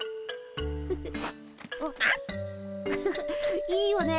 フフいいよね